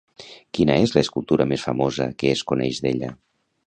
Quina és l'escultura més famosa que es coneix d'ella?